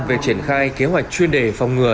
về triển khai kế hoạch chuyên đề phòng ngừa